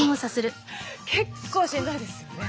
結構しんどいですよね？